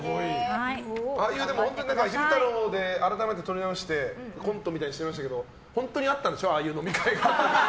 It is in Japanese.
ああいう昼太郎で改めて撮り直してコントみたいにしてましたけど本当にあったんでしょああいう飲み会が。